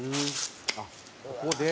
「あっここで」